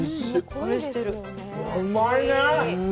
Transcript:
うまいね。